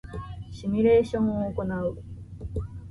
シミュレーションを行う